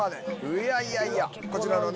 いやいやいやこちらのね